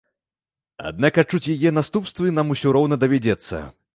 Аднак адчуць яе наступствы нам усё роўна давядзецца.